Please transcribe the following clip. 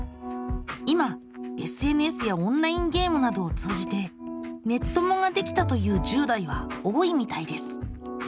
今ＳＮＳやオンラインゲームなどを通じてネッ友ができたという１０代は多いみたいです。